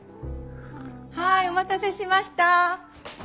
はいお待たせしました。